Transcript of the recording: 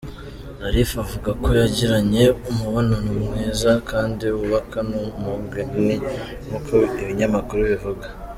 Zarif avuga ko yagiranye "umubonano mwiza kandi wubaka" na Mogherini, nkuko ibinyamakuru bivuga.